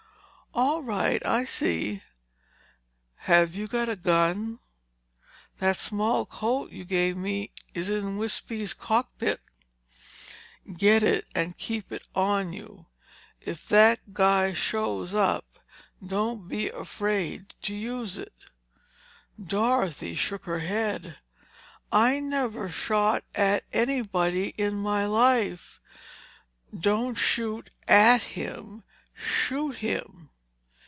"All right. I see." "Have you got a gun?" "That small Colt you gave me is in Wispy's cockpit." "Get it and keep it on you—and if that guy shows up, don't be afraid to use it." Dorothy shook her head. "I never shot at anybody in my life—" "Don't shoot at him—shoot him.